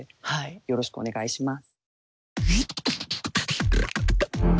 よろしくお願いします。